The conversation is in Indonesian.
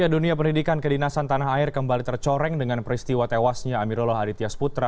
dunia pendidikan kedinasan tanah air kembali tercoreng dengan peristiwa tewasnya amirullah aditya sputra